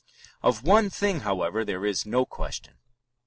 Of one thing, however, there is no question.